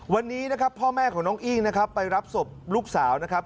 วันนี้นะครับพ่อแม่ของน้องอิ้งนะครับไปรับศพลูกสาวนะครับ